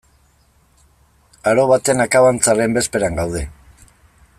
Aro baten akabantzaren bezperan gaude.